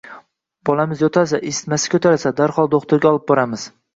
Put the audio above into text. Bolamiz yo‘talsa, isitmasi ko‘tarilsa, darhol do‘xtirga olib boramiz.